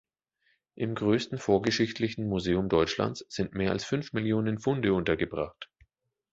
Im größten vorgeschichtlichen Museum Deutschlands sind mehr als fünf Millionen Funde untergebracht.